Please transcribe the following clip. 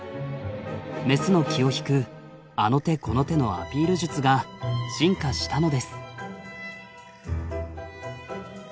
メスの気を引くあの手この手のアピール術が進化したのです。